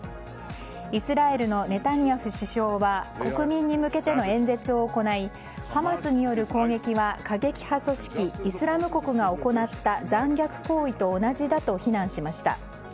イスラエルのネタニヤフ首相は国民に向けての演説を行いハマスによる攻撃は過激派組織イスラム国が行った残虐行為と同じだと非難しました。